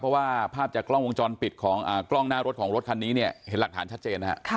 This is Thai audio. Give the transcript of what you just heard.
เพราะว่าภาพจากกล้องวงจรปิดของกล้องหน้ารถของรถคันนี้เนี่ยเห็นหลักฐานชัดเจนนะฮะ